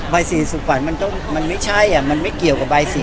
ใบสีสุขภัณฑ์มันไม่ใช่มันไม่เกี่ยวกับใบสี